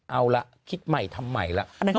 เอาละคิดใหม่ทำใหม่แล้ว